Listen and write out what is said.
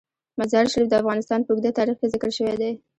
مزارشریف د افغانستان په اوږده تاریخ کې ذکر شوی دی.